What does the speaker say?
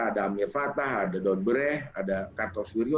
ada mirvata ada daun bereh ada kartos lirio